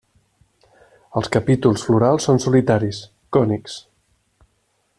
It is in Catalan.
Els capítols florals són solitaris, cònics.